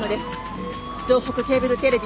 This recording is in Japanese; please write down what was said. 城北ケーブルテレビ